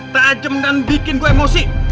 tajem dan bikin gue emosi